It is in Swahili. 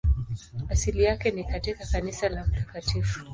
Asili yake ni katika kanisa la Mt.